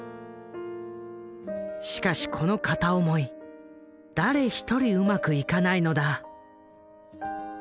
しかしこの片思い誰一人うまくいかないのだ。